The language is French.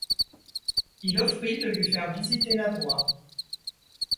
Il offrit de lui faire visiter la voie.